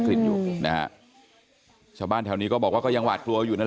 กลิ่นอยู่นะฮะชาวบ้านแถวนี้ก็บอกว่าก็ยังหวาดกลัวอยู่นั่น